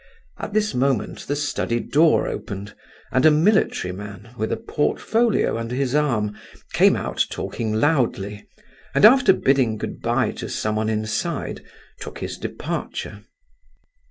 At this moment the study door opened, and a military man, with a portfolio under his arm, came out talking loudly, and after bidding good bye to someone inside, took his departure.